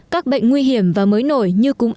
các bệnh nguy hiểm và mới nổi như cúng